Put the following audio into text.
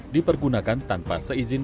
dipergunakan tanpa seizin